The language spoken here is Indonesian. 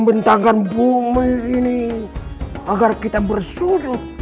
tapi yang terbaru lebih banyak pearls saya rasa miskin